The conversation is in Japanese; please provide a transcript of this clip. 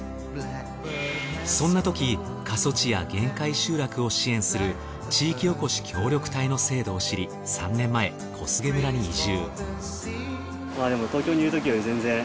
そんなとき過疎地や限界集落を支援する地域おこし協力隊の制度を知り３年前小菅村に移住。